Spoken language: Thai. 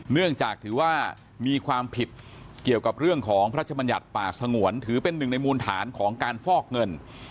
เนื่องจากถือว่ามีความผิดเกี่ยวกับเรื่องของพระชมัญญัติป่าสงวนถือเป็นหนึ่งในมูลฐานของการฟอกเงิน